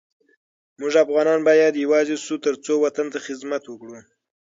مونږ افغانان باید یوزاي شو ترڅو وطن ته خدمت وکړو